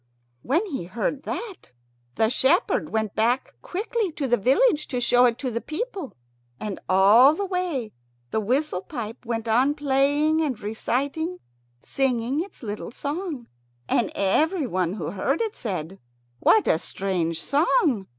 When he heard that the shepherd went back quickly to the village to show it to the people. And all the way the whistle pipe went on playing and reciting, singing its little song. And everyone who heard it said, "What a strange song!